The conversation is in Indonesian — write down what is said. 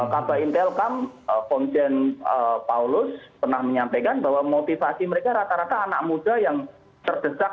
kb intel kam komisen paulus pernah menyampaikan bahwa motivasi mereka rata rata anak muda yang terdesak